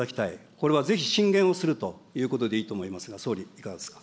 これはぜひ進言をするということでいいと思いますが、総理、いかがですか。